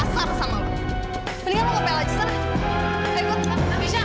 maksudnya udah deh